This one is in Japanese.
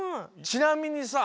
ちなみにさ